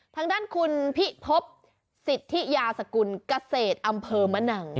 ทางด้านคุณพิพบสิทธิยาสกุลเกษตรอำเภอมะนัง